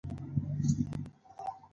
د ښه وخت راتلو ته انتظار او صبر کول دي.